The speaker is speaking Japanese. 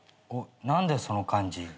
何だよその感じ。